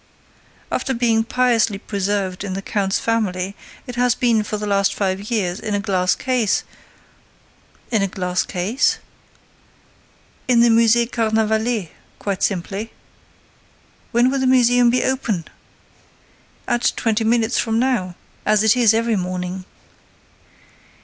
After being piously preserved in the count's family, it has been, for the last five years, in a glass case—" "A glass case?" "In the Musée Carnavalet, quite simply." "When will the museum be open?" "At twenty minutes from now, as it is every morning."